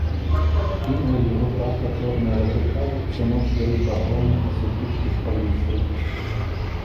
Кінга і яго брата чорныя радыкалы ўсю ноч вялі пагромы і сутычкі з паліцыяй.